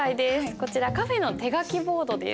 こちらカフェの手書きボードです。